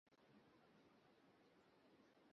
ভালোবাসার সাথে এর কী সম্পর্ক?